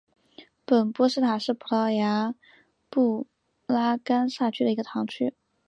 本波斯塔是葡萄牙布拉干萨区的一个堂区。